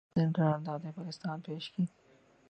اس دن قرارداد پاکستان پیش کی